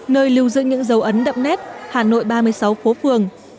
nơi lưu giữ những dấu ấn đậm nét hà nội ba mươi sáu phố phường